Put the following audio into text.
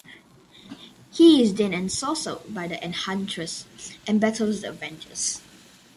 He is then ensorcelled by the Enchantress, and battles the Avengers.